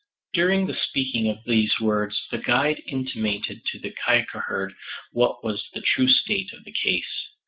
During the speaking of these words the guide intimated to the Kyrkoherde what was the true state of the case.